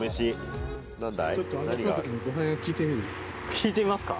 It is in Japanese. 聞いてみますか。